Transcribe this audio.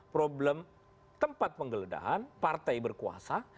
problem tempat penggeledahan partai berkuasa